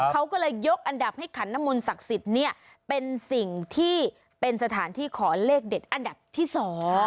เขาก็เลยยกอันดับให้ขันนมลศักดิ์สิทธิ์เนี่ยเป็นสิ่งที่เป็นสถานที่ขอเลขเด็ดอันดับที่๒